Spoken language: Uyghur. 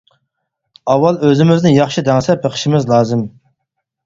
ئاۋۋال ئۆزىمىزنى ياخشى دەڭسەپ بېقىشىمىز لازىم.